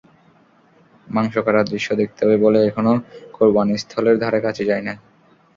মাংস কাটার দৃশ্য দেখতে হবে বলে এখনো কোরবানিস্থলের ধারেকাছে যাই না।